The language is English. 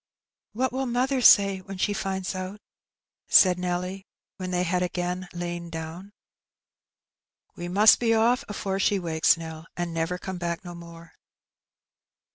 " What will mother say when she finds out ?" said Nelly, when they had again lain down. '^ We must be oflF afore she wakes, Nell, and never come back no more."